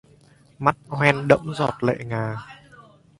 Mắt hoen đẫm giọt lệ ngà